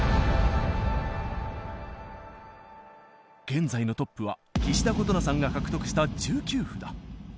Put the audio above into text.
現在のトップは岸田琴那さんが獲得した１９札。